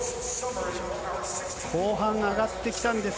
後半上がってきたんです